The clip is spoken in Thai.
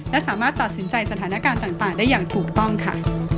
และสามารถตัดสินใจสถานการณ์ต่างได้อย่างถูกต้องค่ะ